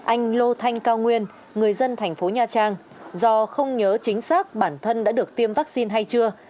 anh lô thanh cao nguyên người dân tp nhcm do không nhớ chính xác bản thân đã được tiêm vaccine hay chưa